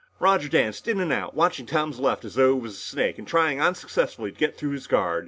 Roger danced in and out, watching Tom's left as though it was a snake and trying unsuccessfully to get through his guard.